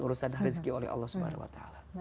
urusan rezeki oleh allah swt